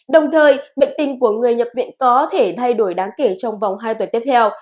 đồng thời bệnh tình của người nhập viện có thể thay đổi đáng kể trong vòng hai tuần tiếp theo